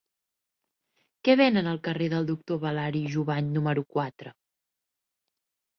Què venen al carrer del Doctor Balari i Jovany número quatre?